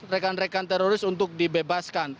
rekan rekan teroris untuk dibebaskan